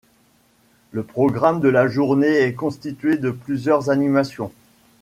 Le programme de la journée est constitué de plusieurs animations.